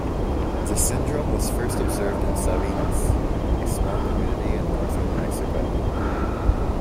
The syndrome was first observed in Sabinas, a small community in northern Mexico.